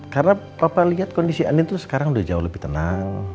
karena papa liat kondisi ani tuh sekarang udah jauh lebih tenang